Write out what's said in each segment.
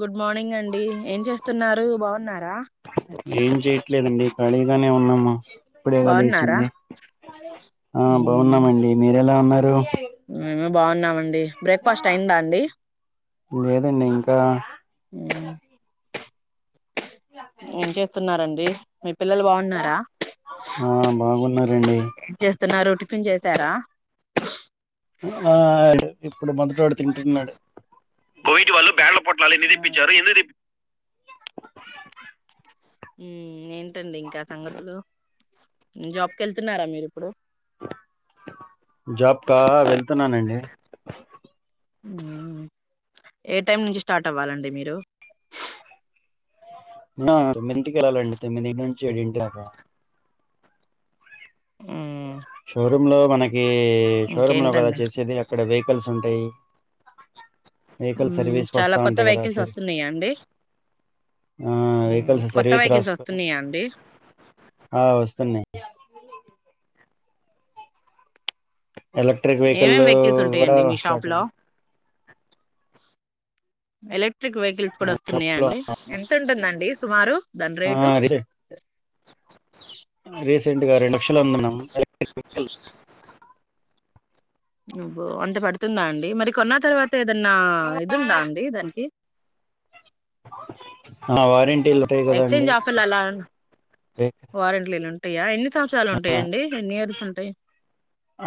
Good morning అండి ఏం చేస్తున్నారు బాగున్నారా ఇట్లనే ఉన్నామ ఇప్పుడేగ బాగున్నారా లేచింది ఆ బాగున్నామండి మీరు ఎలా ఉన్నరు ఉమ్ మేము బాగున్నామండి బ్రేక్ఫాస్ట్ అయిందా అండి లేదండి ఇంకా ఉమ్, ఏం చేస్ స్తున్నారండి ఆ బాగున్నారండి స్తున్నారు టిఫిన్ చేశార మ్ ఆ అడు ఇప్పుడు మొదటోడు తింటున్నాడు జరిగింది ఇది ఉమ్ ఏంటండి ఇంక సంగతులు జాబ్ కెళ్తున్నారా మీరు ఇప్పుడు జాబ్ కా వెల్ తున్నానండి ఉమ్ ఏ టైమ్ నుంచి స్టార్ట్ అవ్వాలండి మీర్ యౌ సె ఆ తొమ్మిదింటికి ఎళ్లాలండీ తొమ్మిదింటి నుంచి ఏడింటి దాక ఉమ్ షోరు మ్లో మనక్ ఈ షో రూమ్ లొ కదా ఇంకేంటండి చేసేది అక్కడ కలిసి ఉంటయ్ హ్మ్ చాలా కొత్త వెహికల్స్ వస్తున్నాయండి ఆ వెహికల్స్ కొత్త సర్వీస్ వెహికల్స్ రాసుకొని వస్తున్నాయండి ఆ వస్తున్నాయి ఎలక్ట్రిక్ ఏమేం వెహికల్లు కూడా స్టార్ట్ అయింది ఎలె క్ట్రిక్ వెహికల్స్ కూడా వస్తున్నాయా షాప్ లో అండి ఎంత ఉంటుందండి సుమారు దాని రేటు రీసెంట్గా రెండు లక్షలు అమ్మినం ఎలక్ట్రిక్ వెహికల్ అబ్బో అంతా పడుతుందా అండి మరి కొన్న తర్వాత ఏదన్నా ఇది ఉందా అండి దానికి ఆ వారెం ఎక్స్చేంజ్ ఆఫర్లు అలా వారెంట్లీలు ఉం టయా ఎన్ని సంవత్సరాలు ఆ ఉంటాయ్ అండి ఎన్ని ఇయర్స్ ఉంటాయ్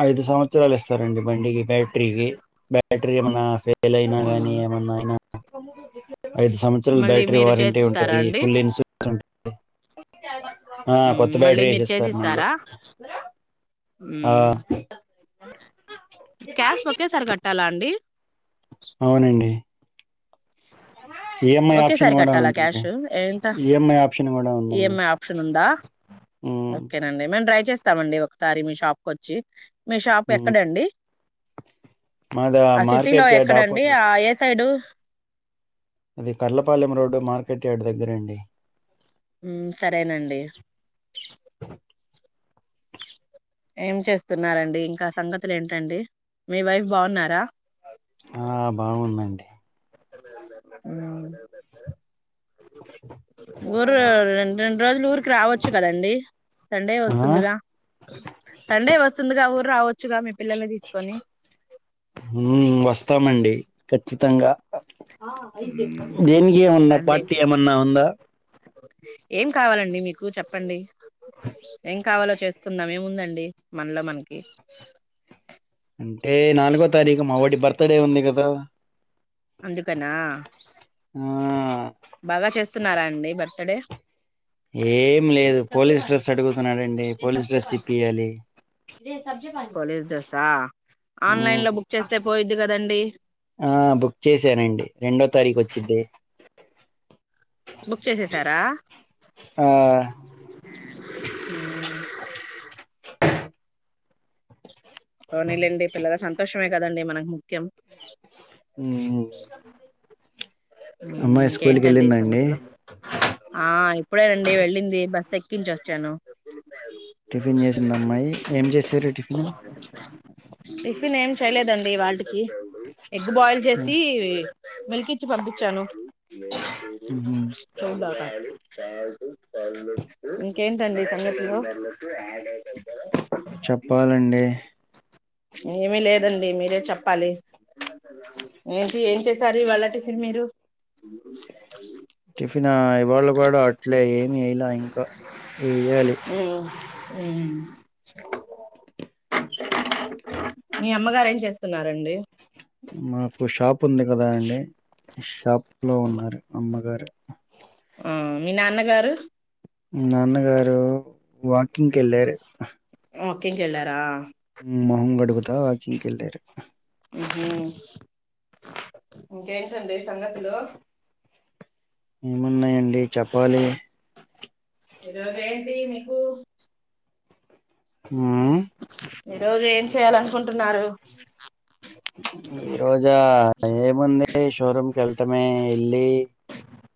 ఐదు సంవత్సరాలు ఇస్తారండి బండికి బ్యాటరీకి బ్యా ట్రీ ఏమన్నా ఫే లైనా గానీ మ్మ్ ఏమన్నా అయినా [unintelligible] ఐదు సంవత్సరాల మళ్ళీ బ్యాటరీ మీరు వారంటీ చేసిస్తారా ఉంటుంది అండి ఫుల్ ఇన్సూరెన్స్ ఉంటుం హ్ ఆ కొత్త మ్మ్ మళ్ళీ బ్యాటరీ మీరు ఏశిస్తారండి చేసిస్తారా ఆ అ మ్మ్ క్యాష్ ఒకేసారి కట్టాలా అండి అవునండి ఈఎంఐ ఆప్షన్ ఒకేసారి కూడా కట్టాలా ఉందండి క్యాష్ ఏంట ఈఎంఐ ఆప్షన్ కూడా ఉందండి ఈఎంఐ ఆప్షన్ ఉందా ఉమ్ ఓకేనండి మేం ట్రై చేస్తామండి ఒకసారి మీ షాప్ కు వచ్చి మీ షాప్ ఉమ్ ఎక్కడండి మాది ఆ సిటీ లో మార్కెట్ యార్డ్ ఎక్కడండి ఆపోజిట్ ఆ ఏ సైడు అది కడలపాలెం రోడ్డు మార్కెట్ యార్డ్ దగ్గర అం డి మ్మ్ సరేనండి ఏం చేస్తున్నారండి ఇంకా సంగతులు ఏంటండి మీ వైఫ్ బాగున్నారా ఆ బాగుందండి ఉమ్ ఊరు రెం రెండు రోజులు ఊరికి రావచ్చు కదండి సండే ఆ వస్తుందిగా సండే వస్తుందిగా ఊరు రావచ్చుగా మీ పిల్లల్ని తీసుకొని ఉమ్ వస్తామండి ఖచ్చితంగా దేనికి ఏమన్నా రండి పార్టీ ఏమన్నా ఉందా ఏం కావాలండి మీకు చెప్పండి ఏం కావాలో చేసుకుందాం ఏముందండి మనలో మనకి అంటే నాలుగో తారీఖు మాఒడి బర్త్ డే ఉంది క దా అందుకనా బాగా చేస్తున్నారా అండి బార్ థాడే ఏం లేదు పోలీస్ డ్రెస్ అడుగుతున్నాడంండి పోలీస్ డ్రెస్ ఇప్పియాని పోలీస్ డ్రెసా ఆ ఆన్లైన్ మ్మ్ లో బుక్ చేస్తే పోయిద్ది కదండి ఆ బుక్ చేసానండి రెండో తారీఖ వచ్చిద్దే బుక్ చేసేసారా ఆ ఉమ్ ఉమ్ వునీలండి పిల్లగా సంత ష్టమే కదండి మనకు ముఖ్యం ఉమ్ ఇంకేంటండి ఈ సంగతిలో ఆ ఇప్పుడేనండి వెళ్ళింది బస్ సిక్కింజోచ్చాను టిఫిన్ చేసింది అమ్మాయి ఏం చేసారు టిఫిన్ టిఫిన్ ఏం చేయలేదండి ఇవాల్టికి ఎగ్ బాయిల్ చేసి మిల్కి ఇచ్చి పంపించాను మ్మ్ సుడాఅడా చాడు ఇంకేంటండి సంగతులు యు అడ్డాయి చెప్పాలండి ఏమి లేదండి మీరే చెప్పాలి ఏంటి ఏం చేసారు ఇ వాళ్ళ టిఫిన్ మీరు టిఫిన ఇవాళ కూడా అట్లే ఏమి ఇయలా ఇంకా ఎయ్యాలి అవునా మీ అమ్మగారు ఏం చేస్తున్నారండి మాకు షాప్ ఉంది కదా అండి షాప్ లో ఉన్నారు అమ్మగారు ఆ మీ నాన్నగారు నాన్నగారు వాకింగ్కి వెళ్లారు వాకింగ్కి వెళ్ళారా మొహం కడుగుతా వాకింగ్ కి వెళ్లారు ఉమ్ ఇంకేంటండి సంగతులు ఏమున్నాయండి డి చప్పాలి ఈరోజు ఏంటి మీకు ఉమ్ [inaudible] ఈ రోజు ఏం చేయాలనుకుంటున్నారు ఈ రోజా ఏముంది షోరూమ్ కె వెళ్తామే ఎల్లి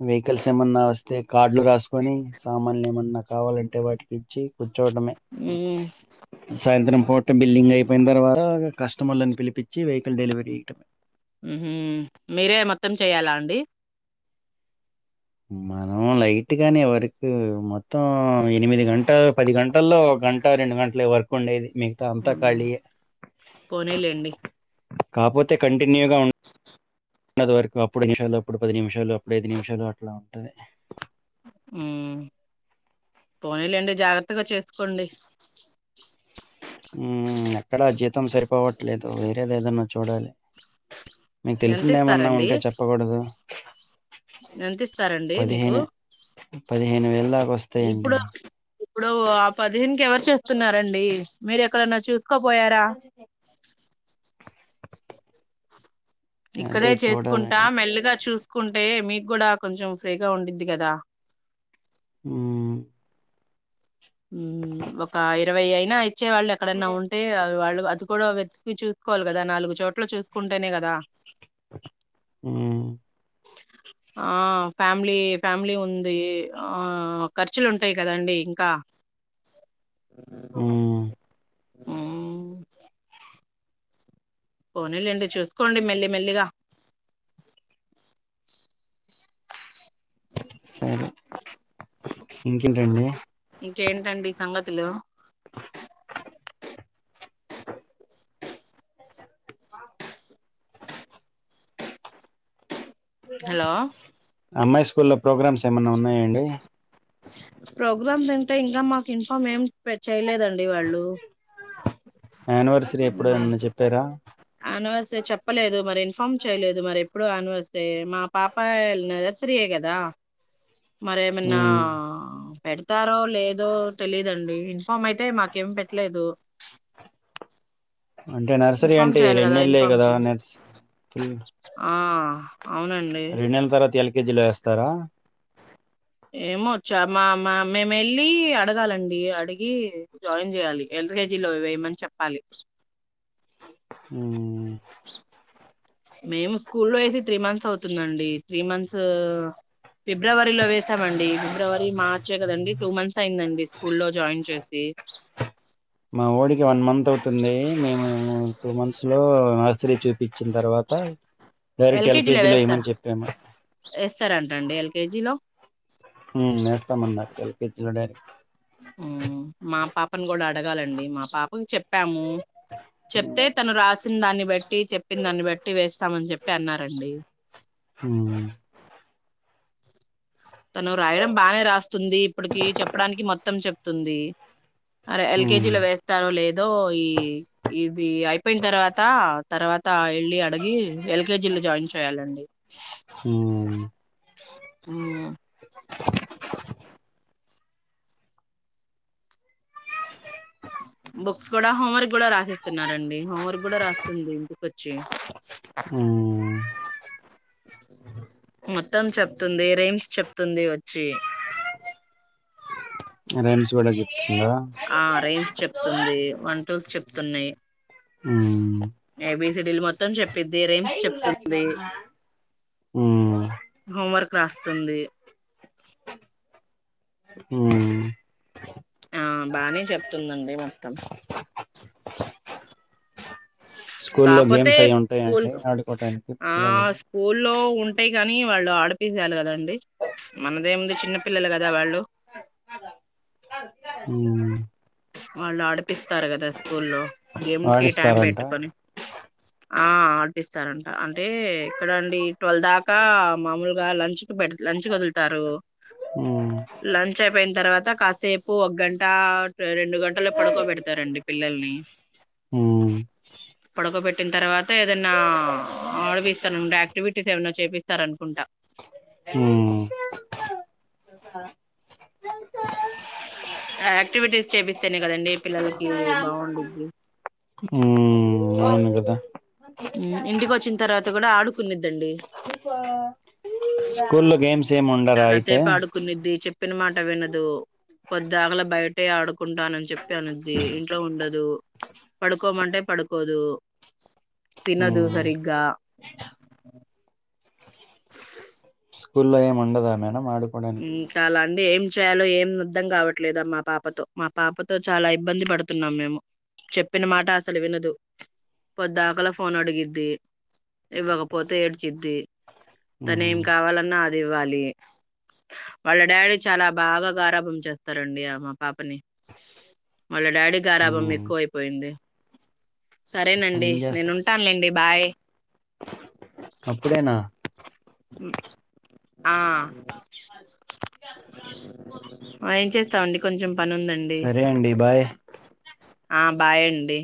వెహికల్స్ ఏమన్నా వస్త తే కార్డులు రాసుకొని సామాన్లు ఏమన్నా కావాలంటే వాటికి ఇచ్చి కూచోటమే మ్మ్ సాయంత్రం హోట బిల్డింగ్ అయిపోయిన తర్వాత కస్టమర్ అని పిలిపి చి వెహికల్ డెలివీయ్యటమే ఉమ్మ్ మీరే మొత్తం చెయ్యాలా అండి మనం లైట్ గానే వర్క్ మొత్తం ఎనిమిది గంటలు పది గంటల్లో ఒక గంట రెండు గంటలు వర్క్ ఉండేది మిగతా అంతా కాళీఏ పోనీలేండి కాపోతే కండి కంటిన్యూగా ఉన్నా ఉండదు వర్క్ అప్పుడు నిమిషాలు అప్పుడు పది నిమిషాలు అప్పుడు ఐదు నిమిషాలు అట్లా ఉంటాది పోనీలేండి జాగ్రత్తగా చేసుకోండి ఎక్కడ జీతం సరిపోవట్లేదు వేరేది ఏదన్నా చూడాలి మీకు ఎంత తెలిసింది ఏమన్నా ఇస్తారండి ఉంటే చెప్పకూడదు ఎంత ఇస్తారండి మీకు పదిహేను పదిహేను వేలు దాకా వస్తాయండి ఇప్పుడు ఇప్పుడు ఆ పదిహేను కి ఎవర చేస్తున్నారండి మీరు ఎక్కడన్నా చూస్ కొపోయార అదే ఇక్కడే చేసుకుంటా చూడాలండి మెల్లిగా చూస్ కుంటే మీకు కూడా కొంచెం ఫ్రీగా ఉండిద్ది కదా హ్మ్మ్ హ్మ్మ్ ఒక్క ఇరవై అయి నాయ్ చ్చే వాళ్ళు ఎక్కడన్నా ఉంటే ఆ వాళ్ళు అద్ది కూడా వెతికి చూస్ కోళ్లు గదా నాలుగు చోట్ ట్లో చూసుకుంటేనే గదా మ్మ్, ఆ ఫ్యామిలీ ఫ్యామిలీ ఉంది. ఆ ఖర్చులు ఉంటాయి. కదండీ ఇంకా ఆ మ్మ్. హూమ్మ్ పోనీలేండి చేస్కోండి మెల్లి మెల్లిగా సరే ఇంకేంటండె ఇంకేంటండి సంగతులు వావ్ హలో అమ్మాయి స్కూల్లో ప్రోగ్రామ్స్ ఏమన్నా ఉన్నాయా అండి ప్రోగ్రమ్స్ అంటే ఇంకా మాకి ఇన్ఫామ్ ఏం పెట్ చేయలేదండి. వాళ్ళు యానివర్సరీ ఎప్పుడోన్న చెప్తారా అనవస్ చెప్పలేదు మరి ఇన్ఫార్మ్ చేయలేదు మరి ఎప్పుడూ అన్వస్తే మా పాప ల్ నరర్స్రీయే కదా మరేమిన్నా ఉమ్, పెడతారో లేదో తెలీదండి. ఇన్ఫామ్ అయితే మాకేం పెట్లేదు అంటే నర్సరీ అంటే ఈ రెంనెళ్లే ఇన్ఫామ్ కదా, చేయ నర్స్ ఆ హ్మ్ ఆ అవునండి రెండు నెలల తర్వాత ఎల్ కే జీలో వేస్తారా. మేమేళ్ళీ అడగాలండి, ఇఎ అడిగి జాయిన్ జేయాలి హెల్త్ హెజీలో వేయమని చెప్పాలి. హ్మ్మ్ మేము స్కూల్ లో వేసి త్రీ మంత్స్ అవుతుందండి. త్రీ మంత్స్ ఫిబ్రవరిలో వేసామండి. ఫిబ్రవరి మార్చే కదండి టూ మన్స్ సైన్దండి స్కూల్లో జాయిన్ చేసి మావోడికి వన్ మంత్ అవుతుంది. మేమి మున్ టూ మంత్స్ లో నర్సరీ చూపించిన్ తర్వాత ఎల్ డైరెక్ట్ కే జీలో ఎల్కేజీ లో ఏమని చెప్పాము వేస్తారా హ్మ్మ్ వేస్తామన్నారు ఎల్ కే జీలోచిన్నోండాడ్ హ్మ్ మా పాపని కూడా అడగాలండి మా పాపకి చెప్పాము. చెప్తే తను రాస్ చ్చిన్ దాన్ని బట్టి చెప్పిన్ దాన్ని బట్టి వేస్తామని చెప్పి అన్నారండి. హ్మ్ తను రాయడం బానే రాస్తుంది. ఇప్పటికి చెప్డానికి మొత్తం చెప్తుంది. అరే ఉమ్, ఎల్కేజీలో వేస్తారో లేదు ఏదో ఈ ఇది ఐ పోయిన తర్వాత తర్వాత వెళ్ళి అడిగి ఎల్కేజి లో జాయిన్ చేయ్యాలండి హ అ బుక్స్ కూడా హోంవర్క్ కూడా రాసిస్తున్నారండి హోంవర్క్ కూడా రాస్తుంది ఇంటికొచ్చి ఉమ్. మొత్తం చెప్తుంది రయిమ్స్ చెప్తుంది వచ్చి రేమ్స్ కూడా చెప్తుందా తుంది వంటలు చెప్తున్నాయి ఉమ్, ఏబీ సిడీల్ మ ని చెప్పద్దిర ఉ హోంవర్క్ రాస్తుంది ఉమ్. ఆ బానే చెప్తుందండి మొత్తం స్కూల్లో కాపోతే గేమ్స్ అవి స్కూల్ ఉంటాయిడి ఆడుకోటానికి పిల్లలకి అంటే కానీ వాళ్ళు ఆడపిసయాలి కదండి మనదేముంది చిన్న పిల్లలు కదా వాళ్ళు ఉ వాళ్ళు ఆడిపిస్తారు కదా స్కూల్లో గేమ్ కి టైం వాడిస్తారంట పెట్టుకొని ఆ ఆడిపిస్తారంట అంటే ఇక్కడంండి ట్వెల్ దాకా మామూలుగా లంచ్ కు పె లంచ్ క వదులుతారు ఉమ్ లంచ్ అయిపోయిన తర్వాత కాసేపు ఒక గంట రెండు గంటల్లో పడుకోబెడతారండి పిల్లల్ని ఉమ్ పడుకోబెట్టిన తర్వాత ఏదైనా ఆడపిస్తానండి యాక్టివిటీస్ ఏమనా చేపిస్తారనుకుంటా ఉమ్ యాక్టివిటీస్ చేపిస్తానే కదండి పిల్లలకి బాగుండద్ది ఉమ్ అవును కదా ఇంటికి వచ్చిన తర్వాత కూడా ఆడుకున్నద్దండి స్కూల్లో గేమ్స్ ఏమి ఉండరా చాలా అయితే సేపు ఆడుకునేది చెప్ చెప్పిన మాట వినదు కొద్దిఆగల బయటే ఆడుకుంటానని చెప్పి అనద్ది ఇంట్లో ఉండదు పడుకోమంటే పడుకోదు తినదు ఉమ్ సరిగ్గా స్కూల్లో ఏమి ఉండదా మేడం ఆడుకోడానికి చాలా అండి ఏం చేయాలో ఏం అద్దం కావట్లేదుమ్ మా పాపతో మా పాపతో చాలా ఇబ్బంది పడుతున్నాం మేము చెప్పిన మాట అసలు వినదు పొద్దిాకల ఫోన్ అడిగిద్ది ఇవ్వకపోతే ఏడ్చిద్ది తను ఏం ఉమ్ కావాలన్నా అవాలి వాళ్ళ డాడీ చాలా బాగారాభం చేస్తారండి ఆ మా పాపని మళ్ళ డాడీ గరాభం ఉమ్ ఎక్కువ అపోయింది సరే అదేనండి ఏం నేను చేస్తా ఉంటానులేండి బాయ్ అప్పుడేనా ఆ ఏం చేస్తామండి కొంచెం పని ఉందండి సరే అండి బాయ్ ఆ బాయండి